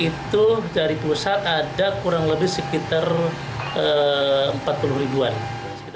itu dari pusat ada kurang lebih sekitar empat puluh ribuan